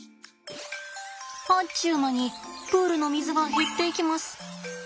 あっちゅう間にプールの水が減っていきます。